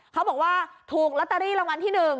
เขาบอกว่าถูกลอตเตอรี่รางวัลที่๑